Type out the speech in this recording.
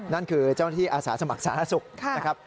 นั่นคือเจ้าหน้าที่อาสาสมัครสาธารณสุขนะครับ